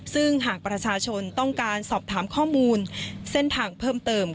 ซึ่งหากประชาชนต้องการสอบถามข้อมูลเส้นทางเพิ่มเติม